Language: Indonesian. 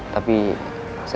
tapi saya cuma pengen tau